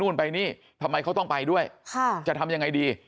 นู่นไปนี่ทำไมเขาต้องไปด้วยจะทำยังไงดี